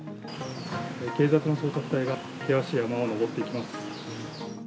警察の捜索隊が、険しい山を登っていきます。